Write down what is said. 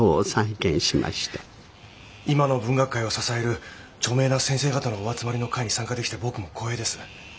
今の文学界を支える著名な先生方のお集まりの会に参加できて僕も光栄です。